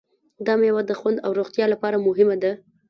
دا مېوه د خوند او روغتیا لپاره مهمه ده.